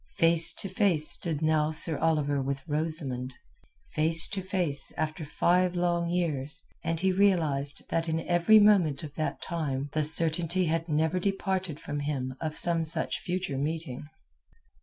Face to face stood now Sir Oliver with Rosamund—face to face after five long years, and he realized that in every moment of that time the certainty had never departed from him of some such future meeting.